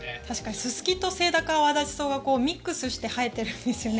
ススキとセイタカアワダチソウがミックスして生えているんですよね。